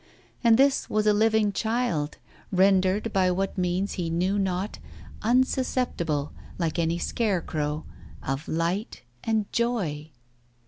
And this was a living child, rendered by what means he knew not, unsusceptible, like any scarecrow, of light and joy.